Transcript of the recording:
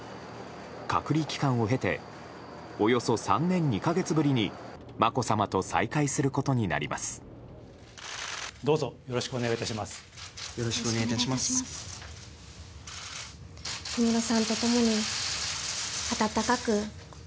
隔離期間を経ておよそ３年２か月ぶりにまこさまと再会することになります。